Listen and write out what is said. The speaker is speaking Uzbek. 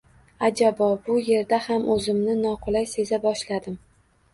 Ajabo, bu yerda ham o’zimni noqulay seza boshladim.